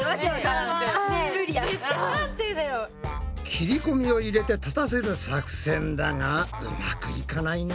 切りこみを入れて立たせる作戦だがうまくいかないな。